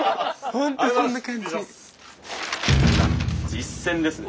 実践ですね。